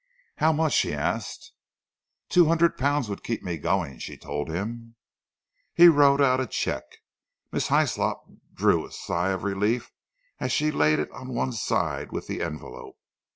"How much?" he asked. "Two hundred pounds would keep me going," she told him. He wrote out a cheque. Miss Hyslop drew a sigh of relief as she laid it on one side with the envelope.